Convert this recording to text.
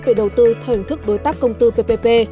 về đầu tư theo hình thức đối tác công tư ppp